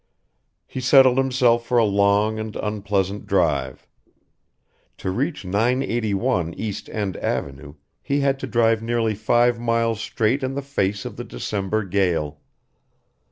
He settled himself for a long and unpleasant drive. To reach 981 East End Avenue he had to drive nearly five miles straight in the face of the December gale.